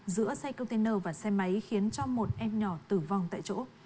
giữa xe container và xe máy khiến cho một em nhỏ tử vong tại chỗ